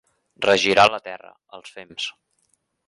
Regirar la terra, els fems.